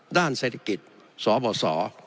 ด้านเศรษฐกิจสบส